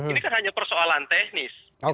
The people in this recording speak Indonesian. ini kan hanya persoalan teknis